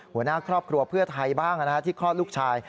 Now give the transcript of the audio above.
หัวหน้าครอบครัวเพื่อไทยบ้างที่คลอดลูกชาย